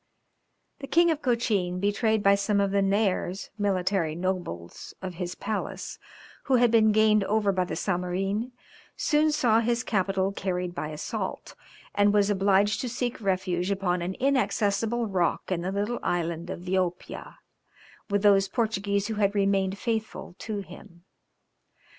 The King of Cochin, betrayed by some of the Nairs (military nobles) of his palace, who had been gained over by the Zamorin, soon saw his capital carried by assault, and was obliged to seek refuge upon an inaccessible rock in the little Island of Viopia, with those Portuguese who had remained faithful to him.